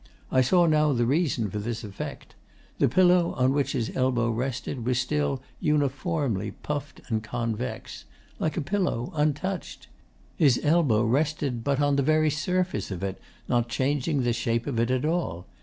I saw now the reason for this effect. The pillow on which his elbow rested was still uniformly puffed and convex; like a pillow untouched. His elbow rested but on the very surface of it, not changing the shape of it at all.